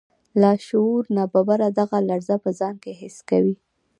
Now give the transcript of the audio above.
لاشعور ناببره دغه لړزه په ځان کې حس کوي